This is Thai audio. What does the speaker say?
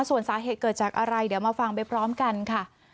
ส่วนสาเหตุเกิดจากอะไรเดี๋ยวมาฟังไปพร้อมกันค่ะ